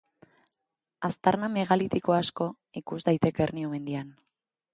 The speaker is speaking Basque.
Aztarna megalitiko asko ikus daiteke Hernio mendian.